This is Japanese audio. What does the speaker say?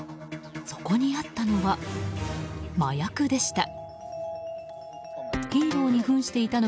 そこにあったのは、麻薬でした。